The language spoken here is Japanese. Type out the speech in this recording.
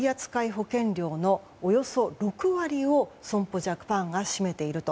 保険料のおよそ６割を損保ジャパンが占めていると。